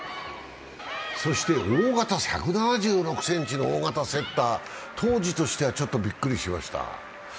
そして１７６ｃｍの大型セッター当時としてはびっくりしました。